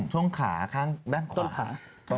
ช่วงขาข้างด้านขวา